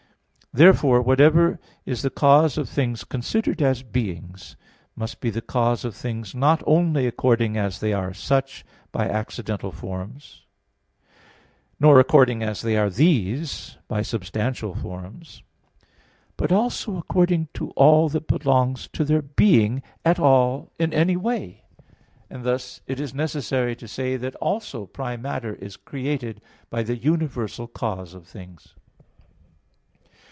Therefore whatever is the cause of things considered as beings, must be the cause of things, not only according as they are "such" by accidental forms, nor according as they are "these" by substantial forms, but also according to all that belongs to their being at all in any way. And thus it is necessary to say that also primary matter is created by the universal cause of things.